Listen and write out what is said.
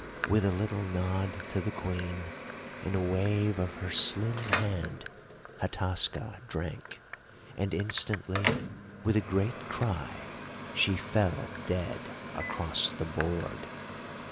"With a little nod to the Queen, and a wave of her slim hand, Hataska drank, and instantly, with a great cry, she fell dead across the board.